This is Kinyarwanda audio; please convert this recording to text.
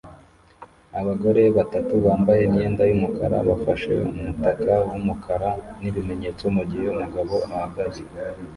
Abagore batatu bambaye imyenda yumukara bafashe umutaka wumukara nibimenyetso mugihe umugabo ahagaze